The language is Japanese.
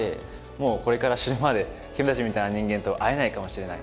「もうこれから死ぬまで君たちみたいな人間とは会えないかもしれない」